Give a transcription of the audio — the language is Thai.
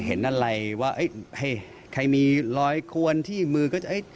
เห็นอะไรว่าให้ใครมีรอยควนที่มือก็จะ